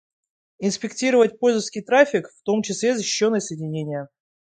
Инспектировать пользовательский траффик, в том числе защищенные соединения